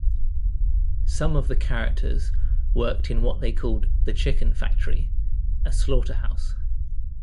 Some of the characters worked in what they called "the chicken factory", a slaughterhouse.